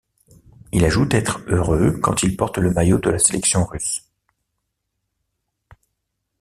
Il ajoute être heureux quand il porte le maillot de la sélection russe.